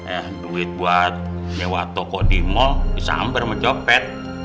eh duit buat lewat toko di mall disamber sama copet